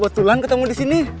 kebetulan ketemu di sini